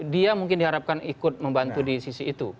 dia mungkin diharapkan ikut membantu di sisi itu